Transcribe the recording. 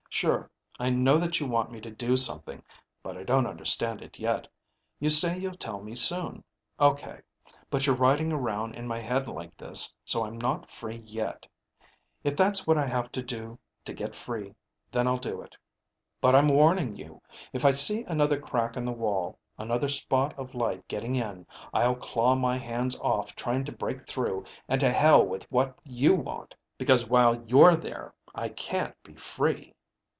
"Sure, I know that you want me to do something, but I don't understand it yet. You say you'll tell me soon. Okay. But you're riding around in my head like this, so I'm not free yet. If that's what I have to do to get free, than I'll do it. But I'm warning you. If I see another crack in the wall, another spot of light getting in, I'll claw my hands off trying to break through and to hell with what you want. Because while you're there, I can't be free."